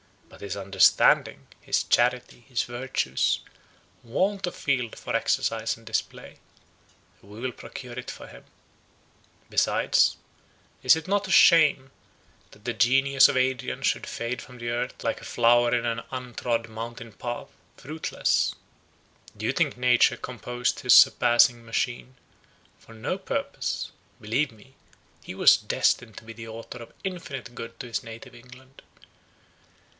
But his understanding, his charity, his virtues, want a field for exercise and display; and we will procure it for him. Besides, is it not a shame, that the genius of Adrian should fade from the earth like a flower in an untrod mountain path, fruitless? Do you think Nature composed his surpassing machine for no purpose? Believe me, he was destined to be the author of infinite good to his native England.